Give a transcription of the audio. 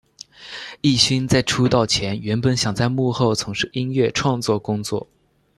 镒勋在出道前原本想在幕后从事音乐创作工作。